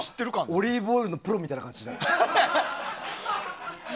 オリーブオイルのプロみたいな感じ。